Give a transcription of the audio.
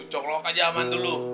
coklok aja aman dulu